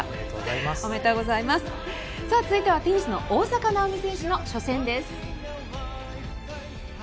続いてはテニスの大坂なおみ選手の初戦です。